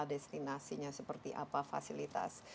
destinasi nya seperti apa fasilitas